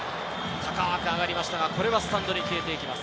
高く上がりましたがスタンドに消えていきます。